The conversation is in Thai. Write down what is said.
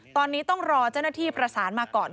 ตอนนี้ต้องรอเจ้าหน้าที่ประสานมาก่อน